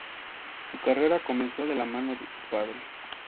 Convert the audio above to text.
Su carrera comenzó de la mano de su padre.